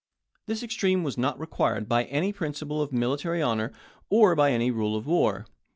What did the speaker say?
This extreme was not required by any principle of military honor or by any rule of war.